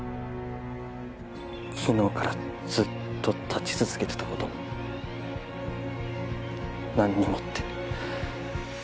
昨日からずっと立ち続けてた何にもって。